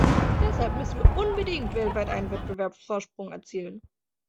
Deshalb müssen wir unbedingt weltweit einen Wettbewerbsvorsprung erzielen.